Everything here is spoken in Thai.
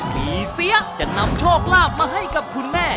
เสียจะนำโชคลาภมาให้กับคุณแม่